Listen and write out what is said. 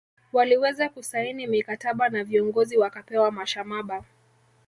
Waliweza kusaini mikataba na viongozi wakapewa mashamaba